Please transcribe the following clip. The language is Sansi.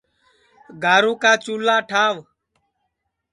گارُو کا چُولھا ٹھاوَ